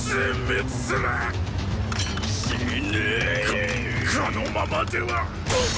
ここのままではっ！